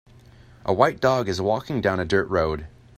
A white dog is walking down a dirt road.